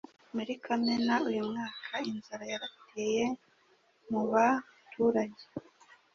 muri kamena uyu mwaka inzara yarateye muba turage